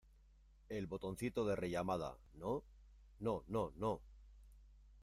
el botoncito de rellamada, ¿ no? no , no , no...